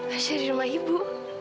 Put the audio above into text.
asya di rumah ibu